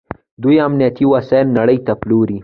دوی امنیتي وسایل نړۍ ته پلوري.